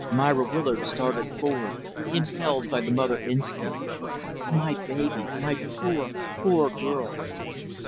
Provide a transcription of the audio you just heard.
Myra Willard started forward, impelled by the mother instinct. "My baby, my poor, poor girl!"